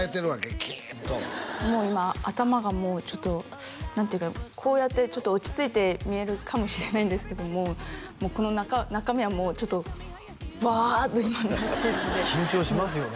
キーッと今頭がもうちょっと何ていうかこうやって落ち着いて見えるかもしれないんですけどもこの中身はもうちょっとワーッと今なってるんで緊張しますよね